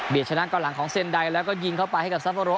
เบียดชนะกล่าวหลังของเซ็นไดแล้วก็ยิงเข้าไปให้กับซาโพโร